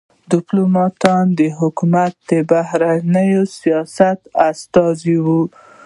ډيپلوماټان د حکومت د بهرني سیاست استازي وي.